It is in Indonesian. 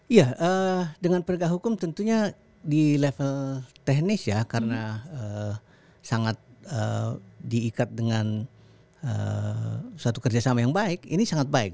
iya dengan penegak hukum tentunya di level teknis ya karena sangat diikat dengan suatu kerjasama yang baik ini sangat baik